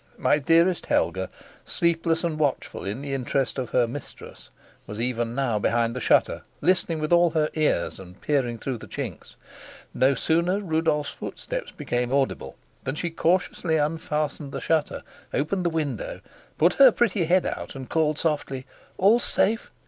My dearest Helga, sleepless and watchful in the interest of her mistress, was even now behind the shutter, listening with all her ears and peering through the chinks. No sooner did Rudolf's footsteps become audible than she cautiously unfastened the shutter, opened the window, put her pretty head out, and called softly: "All's safe!